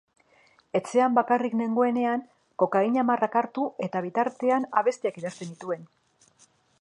Etxean bakarrik nengoenean kokaina-marrak hartu eta bitartean abestiak idazten nituen.